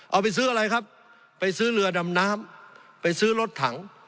เอาไปซื้ออะไรครับไปซื้อเรือดำน้ำไปซื้อรถถัง